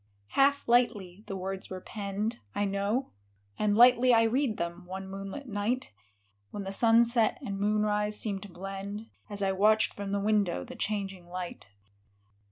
" Half lightly the words were penned, I know, And lightly I read them, one moonlit night, When the sunset and moonrise seemed to blend. As I watched from the window the changing light.